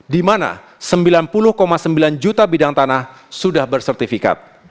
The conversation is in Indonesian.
di mana sembilan puluh sembilan juta bidang tanah sudah bersertifikat